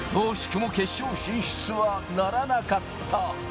惜しくも決勝進出はならなかった。